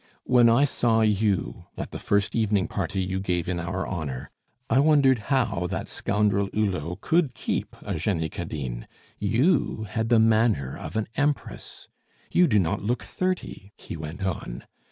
When I saw you, at the first evening party you gave in our honor, I wondered how that scoundrel Hulot could keep a Jenny Cadine you had the manner of an Empress. You do not look thirty," he went on.